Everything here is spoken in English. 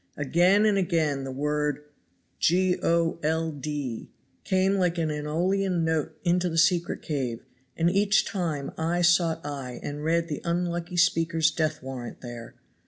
Again and again the word "g o l d" came like an Aeolian note into the secret cave, and each time eye sought eye and read the unlucky speaker's death warrant there.